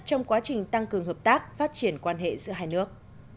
trong quá trình tăng cường hợp tác phát triển quan hệ giữa hai nước